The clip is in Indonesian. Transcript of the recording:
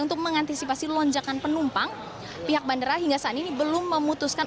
untuk mengantisipasi lonjakan penumpang pihak bandara hingga saat ini belum memutuskan